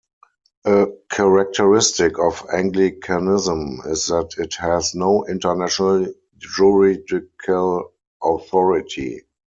A characteristic of Anglicanism is that it has no international juridical authority.